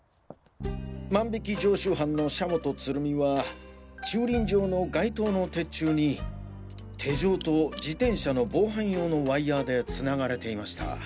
万引き常習犯の社本鶴美は駐輪場の外灯の鉄柱に手錠と自転車の防犯用のワイヤーで繋がれていました。